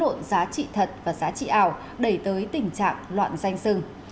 đã làm lẫn lộn giá trị thật và giá trị ảo đẩy tới tình trạng loạn danh sưng